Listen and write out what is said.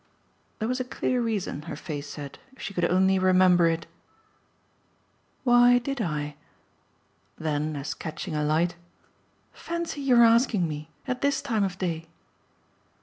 There was a clear reason, her face said, if she could only remember it. "Why did I ?" Then as catching a light: "Fancy your asking me at this time of day!"